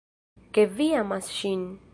Ke vi amas ŝin.